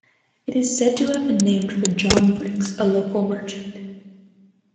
It is said to have been named for John Briggs, a local merchant.